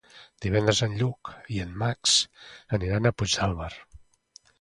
Divendres en Lluc i en Max aniran a Puigdàlber.